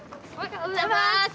おはようございます！